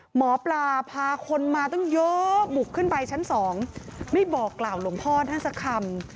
หมอปลาพาคนมาตั้งเยอะบุกขึ้นไปชั้นสองไม่บอกกล่าวหลวงพ่อท่านสักคำ